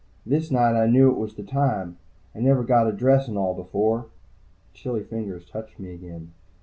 This night I knew it was the time. I never got a dress and all before." The chilly fingers touched me again.